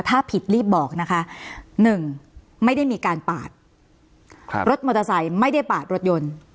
ถ้าผิดรีบบอกนะคะหนึ่งไม่ได้มีการปาดครับรถมอเตอร์ไซค์ไม่ได้ปาดรถยนต์